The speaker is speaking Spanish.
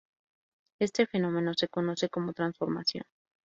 Este fenómeno se conoce como transformación.